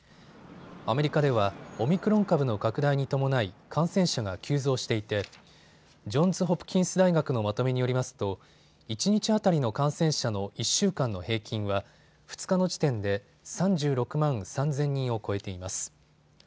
アメリカではオミクロン株の拡大に伴い感染者が急増していてジョンズ・ホプキンス大学のまとめによりますと一日当たりの感染者の１週間の平均は２日の時点で３６万３０００人を超えています。